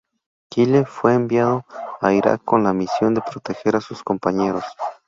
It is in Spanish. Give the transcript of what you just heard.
Kyle fue enviado a Irak con la misión de proteger a sus compañeros.